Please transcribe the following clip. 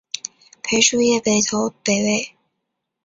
裴叔业北投北魏。